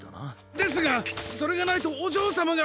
ですがそれがないとおじょうさまが。